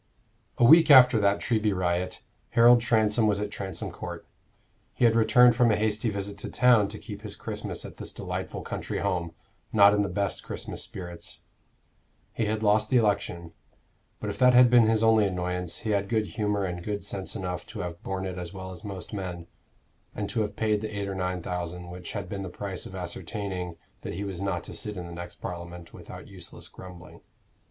A week after that Treby riot, Harold Transome was at Transome Court. He had returned from a hasty visit to town to keep his Christmas at this delightful country home, not in the best Christmas spirits. He had lost the election; but if that had been his only annoyance, he had good humor and good sense enough to have borne it as well as most men, and to have paid the eight or nine thousand, which had been the price of ascertaining that he was not to sit in the next Parliament, without useless grumbling.